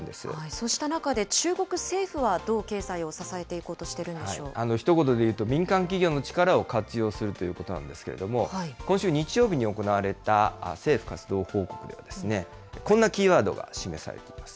そうした中で中国政府はどう経済を支えていこうとしているんひと言で言うと、民間企業の力を活用するということなんですけれども、今週日曜日に行われた政府活動報告では、こんなキーワードが示されています。